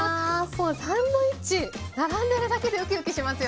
もうサンドイッチ並んでるだけでウキウキしますよね。